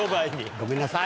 ごめんなさい。